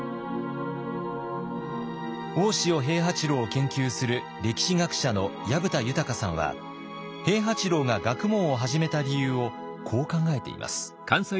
大塩平八郎を研究する歴史学者の藪田貫さんは平八郎が学問を始めた理由をこう考えています。